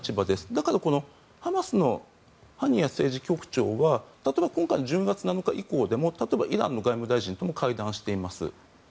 だからこのハマスのハニヤ政治局長は例えば今回の１０月７日以降でもイランの外務大臣とも会談しています。